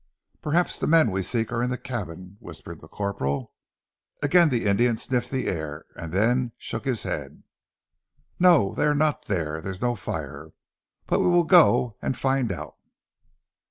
"Perhaps the men we seek are in the cabin," whispered the corporal. Again the Indian sniffed the air and then shook his head. "No! They are not there. There is no fire. But we will go and find out."